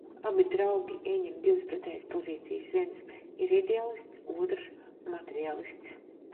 Abi draugi ieņem divas pretējas pozīcijas – viens ir ideālists, bet otrs – materiālists.